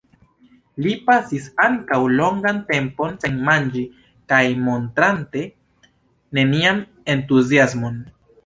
Li pasis ankaŭ longan tempon sen manĝi kaj montrante nenian entuziasmon.